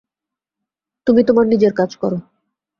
তুমি তোমার নিজের কাজ করো।